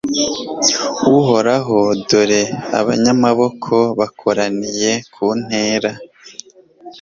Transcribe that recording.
Uhoraho dore abanyamaboko bakoraniye kuntera